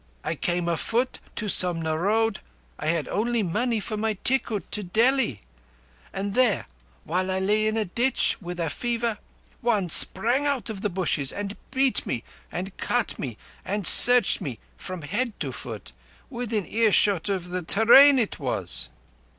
I came afoot to Somna Road—I had only money for my tikkut to Delhi—and there, while I lay in a ditch with a fever, one sprang out of the bushes and beat me and cut me and searched me from head to foot. Within earshot of the te rain it was!"